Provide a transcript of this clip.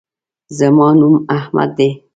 زما نوم احمد دے